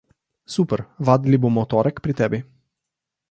Super, vadili bomo v torek pri tebi.